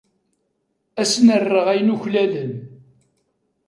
Ad asen-rreɣ ayen uklalen.